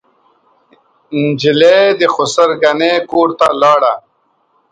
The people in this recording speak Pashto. نجلۍ د خسر ګنې کورته لاړه.